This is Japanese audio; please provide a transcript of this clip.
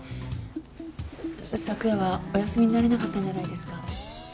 昨夜はお休みになれなかったんじゃないですか？